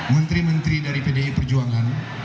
menteri menteri dari pdi perjuangan